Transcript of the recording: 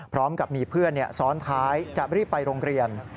พร้อมกับมีเพื่อนซ้อนท้ายจะรีบไปโรงเรียน